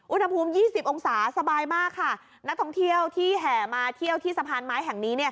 ยี่สิบองศาสบายมากค่ะนักท่องเที่ยวที่แห่มาเที่ยวที่สะพานไม้แห่งนี้เนี่ย